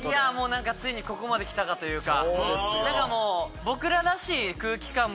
ついにここまできたかというか。